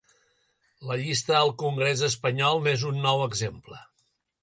La llista al congrés espanyol n’és un nou exemple.